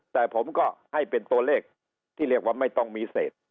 แต่ผมก็ให้เป็นตัวเลขที่เรียกว่าไม่ต้องมีเศษ